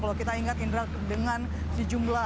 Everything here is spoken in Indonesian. kalau kita ingat indra dengan sejumlah